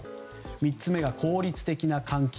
３つ目が効率的な換気。